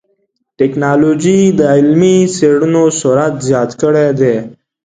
ټکنالوجي د علمي څېړنو سرعت زیات کړی دی.